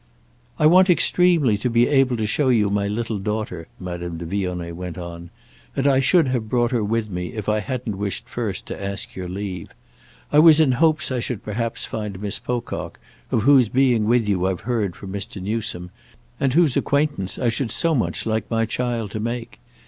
"I want extremely to be able to show you my little daughter." Madame de Vionnet went on; "and I should have brought her with me if I hadn't wished first to ask your leave. I was in hopes I should perhaps find Miss Pocock, of whose being with you I've heard from Mr. Newsome and whose acquaintance I should so much like my child to make.